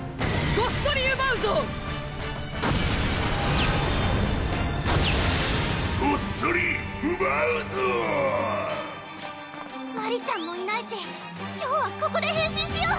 ゴッソリウバウゾーマリちゃんもいないし今日はここで変身しよう！